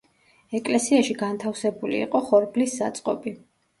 ეკლესიაში განთავსებული იყო ხორბლის საწყობი.